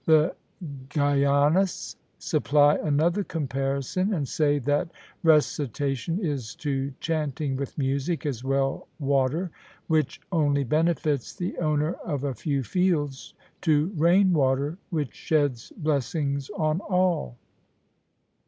The gyanis supply another comparison, and say that recitation is to chanting with music as well water, which only benefits the owner of a few fields, to rain water which sheds blessings on all.